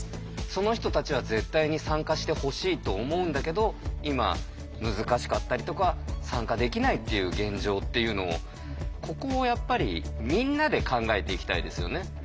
その人たちは絶対に参加してほしいと思うんだけど今難しかったりとか参加できないっていう現状っていうのをここをやっぱりみんなで考えていきたいですよね。